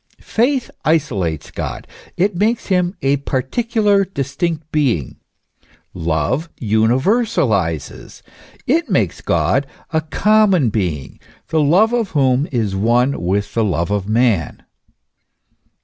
Faith isolates God, it makes him a particular, distinct being : love universalizes ; it makes God a common being, the love of whom is one with the love of man.